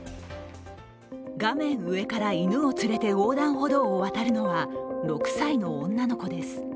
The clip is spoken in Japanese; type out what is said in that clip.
画面上から犬を連れて横断歩道を渡るのは６歳の女の子です。